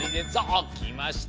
あっきました。